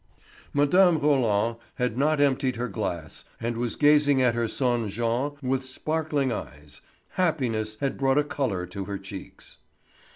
Mme. Roland had not emptied her glass and was gazing at her son Jean with sparkling eyes; happiness had brought a colour to her cheeks.